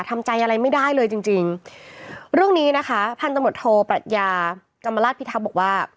ทำใจอะไรไม่ได้เลยจริงจริงเรื่องนี้นะคะพันธุ์ตำรวจโทปรัชญากรรมราชพิทักษ์บอกว่า